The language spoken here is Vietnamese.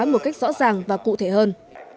một cách rõ ràng và cụ thể hơn